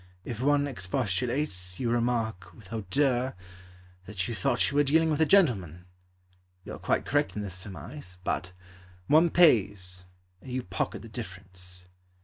If one expostulates, You remark With hauteur That you thought you were dealing with a gentleman. You are quite correct in this surmise. But One pays, And you pocket the difference.